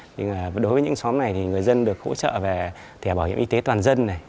nhưng đối với những xóm này thì người dân được hỗ trợ về thẻ bảo hiểm y tế toàn dân này